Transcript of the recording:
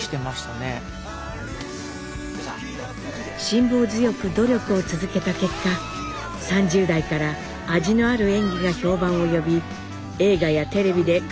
辛抱強く努力を続けた結果３０代から味のある演技が評判を呼び映画やテレビで欠かせない存在になったのです。